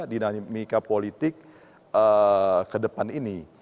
dinamika politik ke depan ini